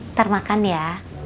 ntar makan ya